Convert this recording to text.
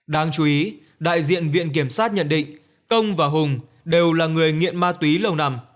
đáng chú ý đại diện viện kiểm sát nhận định công và hùng đều là người nghiện ma túy lâu năm